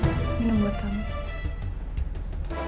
kalau terus pilihan bisa denganmu